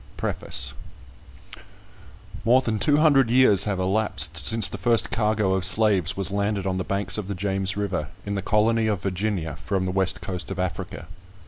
PREFACE MORE than two hundred years have elapsed since the first cargo of slaves was landed on the banks of the James River, in the colony of Virginia, from the West coast of Africa.